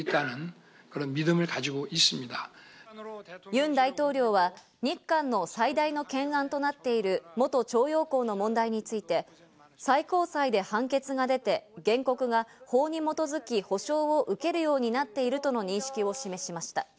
ユン大統領は日韓の最大の懸案となっている元徴用工の問題について、最高裁で判決が出て、原告が法に基づき保障を受けるようになっているとの認識を示しました。